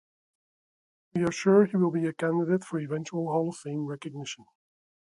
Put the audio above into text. We are sure he will be a candidate for eventual Hall of Fame recognition...